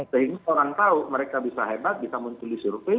sehingga orang tahu mereka bisa hebat bisa menculis survei